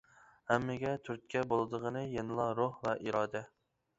ھەممىگە تۈرتكە بولىدىغىنى يەنىلا روھ ۋە ئىرادە.